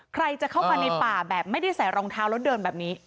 ใครจะเข้ามาในป่าแบบไม่ได้ใส่รองเท้าแล้วเดินแบบนี้